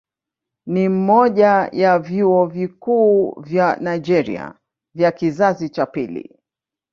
Ni mmoja ya vyuo vikuu vya Nigeria vya kizazi cha pili.